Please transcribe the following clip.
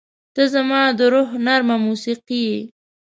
• ته زما د روح نرمه موسیقي یې.